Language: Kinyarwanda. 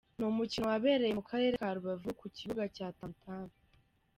Ni umukino wabereye mu Karere ka Rubavu ku kibuga cya Tam Tam.